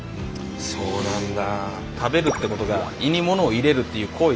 そうなんだ！